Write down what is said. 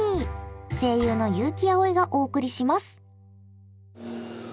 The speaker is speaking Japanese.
声優の悠木碧がお送りします。